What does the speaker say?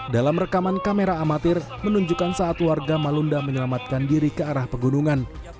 dalam rekaman kamera amatir menunjukkan saat warga malunda menyelamatkan diri ke arah pegunungan